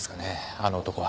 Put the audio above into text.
あの男は。